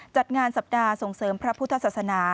จัดงานสัปดาห์ส่งเสริมพระพุทธศาสนา